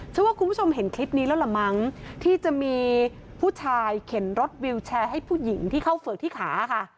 ว่าคุณผู้ชมเห็นคลิปนี้แล้วล่ะมั้งที่จะมีผู้ชายเข็นรถวิวแชร์ให้ผู้หญิงที่เข้าเฝือกที่ขาค่ะ